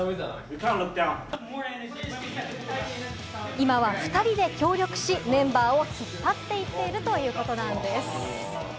今は２人で協力し、メンバーを引っ張っていっているということなんです。